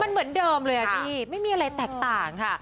มันเหมือนเดิมเลยอ่ะพี่ไม่มีอะไรแตกต่างค่ะ